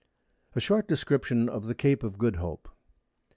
A Short Description of the Cape of Good Hope.